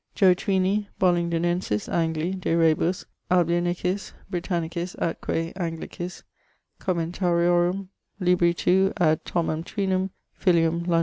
Twini, Bolingdunesis, Angli, de rebus Albionicis, Britannicis, atque Anglicis commentariorum libri 2, ad Thomam Twinum, filium: Lond.